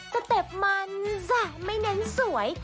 สเตบมันแหละไม่เน้นสวย